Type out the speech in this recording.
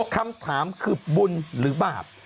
คำถามคือบุญหรือบาป